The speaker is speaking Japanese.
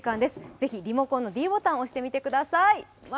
是非リモコンのｄボタンを押してみてください。